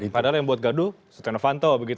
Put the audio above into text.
padahal yang buat gaduh setnafanto begitu ya